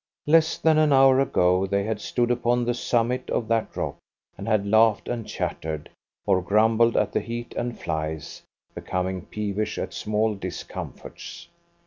Less than an hour ago they had stood upon the summit of that rock, and had laughed and chattered, or grumbled at the heat and flies, becoming peevish at small discomforts.